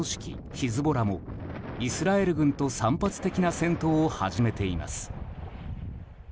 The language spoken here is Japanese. ヒズボラもイスラエル軍と散発的な戦闘を始めています。